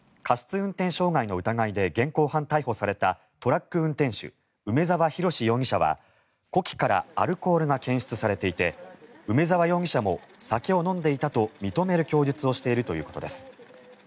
運転傷害の疑いで現行犯逮捕されたトラック運転手梅沢洋容疑者は呼気からアルコールが検出されていて、梅沢容疑者も酒を飲んでいたと認める供述をしているということです。